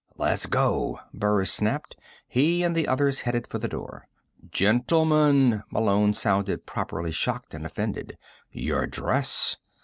"Let's go," Burris snapped. He and the others headed for the door. "Gentlemen!" Malone sounded properly shocked and offended. "Your dress!"